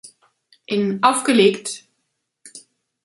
In "Aufgelegt!